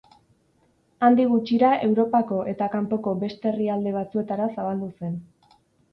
Handik gutxira Europako eta kanpoko beste herrialde batzuetara zabaldu zen.